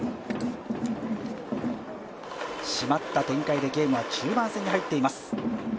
締まった展開でゲームは中盤戦に入っています。